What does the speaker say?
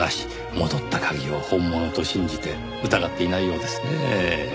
戻った鍵を本物と信じて疑っていないようですねぇ。